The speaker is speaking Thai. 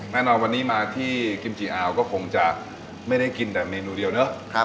แน่นอนวันนี้มาที่กิมจิอาวก็คงจะไม่ได้กินแต่เมนูเดียวเนอะ